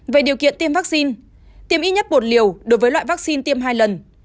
về điều kiện tiêm vaccine tiêm ít nhất bột liều đối với loại vaccine tiêm hai lần